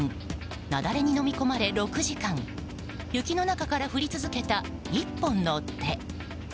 雪崩にのみ込まれ６時間雪の中から振り続けた１本の手。